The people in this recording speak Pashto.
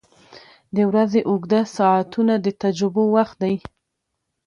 • د ورځې اوږده ساعته د تجربو وخت دی.